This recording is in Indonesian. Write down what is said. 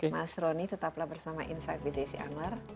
mas roni tetaplah bersama insight with desi angler